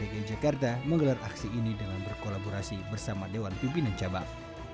dki jakarta menggelar aksi ini dengan berkolaborasi bersama dewan pimpinan cabang